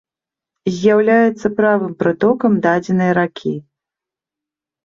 З'яўляецца правым прытокам дадзенай ракі.